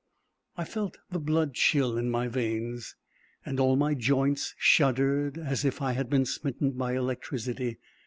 I felt the blood chill in my veins, and all my joints shuddered, as if I had been smitten by electricity.